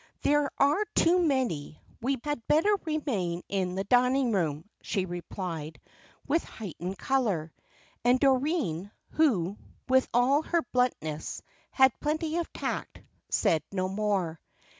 "There are too many; we had better remain in the dining room," she replied, with heightened colour. And Doreen, who, with all her bluntness, had plenty of tact, said no more.